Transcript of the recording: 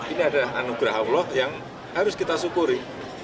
ini adalah anugerah allah yang harus kita syukuri